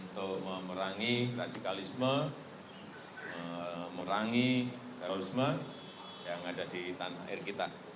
terima kasih terima kasih